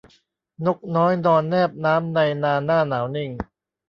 นกน้อยนอนแนบน้ำในนาหน้าหนาวนิ่ง